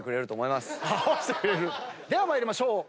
では参りましょう。